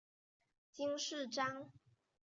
金饰章。